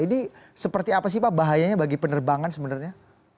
ini seperti apa sih pak bahayanya bagi penerbangan sebenarnya